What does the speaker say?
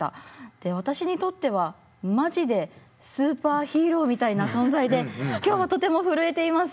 で私にとってはマジでスーパーヒーローみたいな存在で今日はとても震えています。